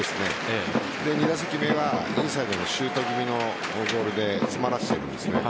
２打席目がインサイドのシュート気味のボールで詰まらせているんです。